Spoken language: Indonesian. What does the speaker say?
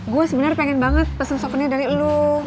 gue sebenarnya pengen banget pesen souvenir dari lu